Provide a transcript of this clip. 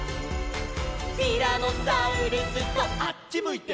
「ティラノサウルスとあっちむいてホイ！？」